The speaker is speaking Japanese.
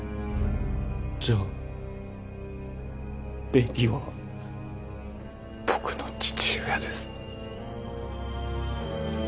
じゃあベキは僕の父親です